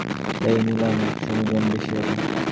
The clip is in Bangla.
এই নিলাম একশ মিলিয়নের বেশি হবে।